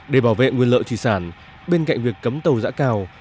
để bảo vệ nguyên lợi trị sản bên cạnh việc cấm tàu dã cào